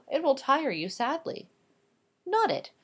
It will tire you sadly." "Not it.